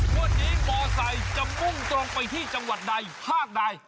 วันนี้มอไซค์จะมุ่งตรงไปที่จังหวัดใดภาคใด